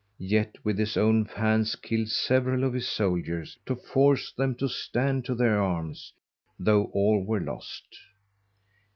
Yet, with his own hands killed several of his Souldiers, to force them to stand to their Arms, though all were lost.